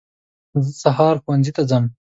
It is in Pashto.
زه هر سهار ښوونځي ته ځم.